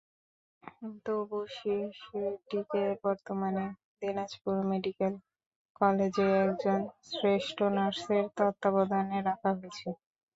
তবু শিশুটিকে বর্তমানে দিনাজপুর মেডিকেল কলেজে একজন জ্যেষ্ঠ নার্সের তত্ত্বাবধানে রাখা হয়েছে।